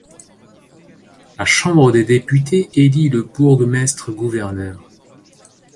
La Chambre des députés élit le bourgmestre-gouverneur.